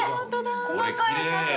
細かい作業。